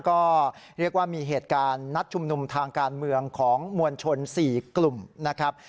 ก็เรียกว่ามีเหตุการณ์นัดชุมนุมทางการเมืองของมวลชน๔กลุ่มนะครับ